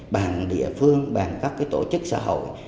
bằng các đoàn phương bằng các tổ chức xã hội